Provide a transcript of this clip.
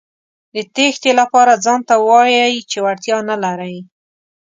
د تېښتې لپاره ځانته وايئ چې وړتیا نه لرئ.